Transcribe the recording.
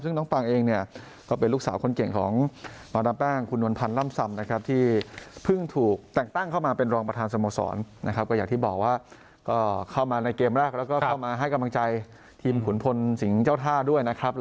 ซึ่งน้องปางเองเนี่ยก็เป็นลูกสาวคนเก่งของน้องปางคุณนวลพันร่ำซ่ำนะครับ